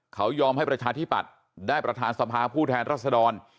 เขายอมให้ประชาธิปัตย์ได้ประธานสภาผู้แทนรัศดร